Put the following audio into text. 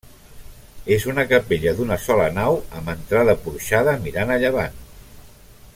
És una capella d'una sola nau amb entrada porxada mirant a llevant.